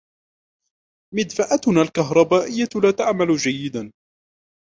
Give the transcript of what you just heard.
مدفأتنا الكهربائية لا تعمل جيدا.